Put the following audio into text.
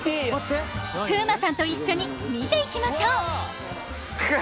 風磨さんと一緒に見ていきましょうハハ！